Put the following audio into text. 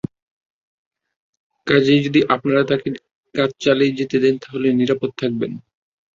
কাজেই যদি আপনারা তাকে তার কাজ চালিয়ে যেতে দেন তাহলে আপনারা নিরাপদ থাকবেন।